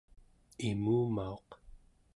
imumauq